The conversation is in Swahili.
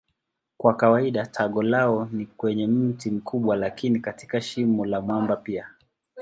Kwa kawaida tago lao ni kwenye mti mkubwa lakini katika shimo la mwamba pia.